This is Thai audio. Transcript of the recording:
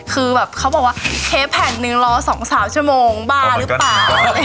คือแบบเขาบอกว่าเทปแผ่นหนึ่งรอ๒๓ชั่วโมงบ้าหรือเปล่า